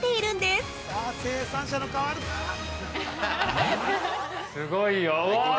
◆すごいよ。